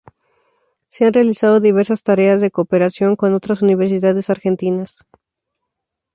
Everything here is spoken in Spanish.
Se han realizado diversas tareas de cooperación con otras universidades argentinas.